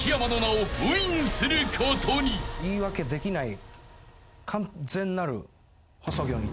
言い訳できない。